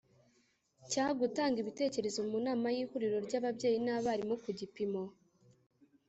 cya gutanga ibitekerezo mu nama y ihuriro ry ababyeyi n abarimu ku gipimo